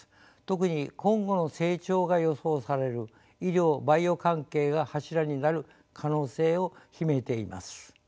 特に今後の成長が予想される医療・バイオ関係が柱になる可能性を秘めています。